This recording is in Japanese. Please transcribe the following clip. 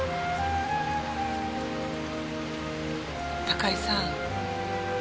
高井さん。